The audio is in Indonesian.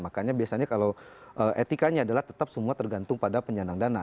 makanya biasanya kalau etikanya adalah tetap semua tergantung pada penyandang dana